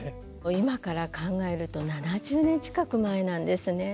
今から考えると７０年近く前なんですね。